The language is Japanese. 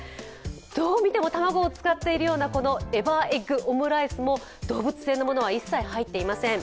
どう見ても卵を使っているようなエバーエッグオムライスも動物性のものは一切入っていません。